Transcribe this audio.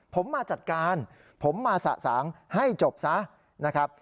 ผมมาจัดการผมมาสะสางให้จบซะ